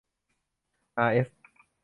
อาร์เอส